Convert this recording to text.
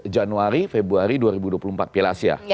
januari februari dua ribu dua puluh empat piala asia